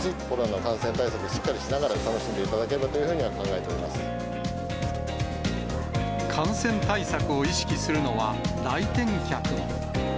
コロナ感染対策をしっかりしながら楽しんでいただければというふ感染対策を意識するのは、来店客。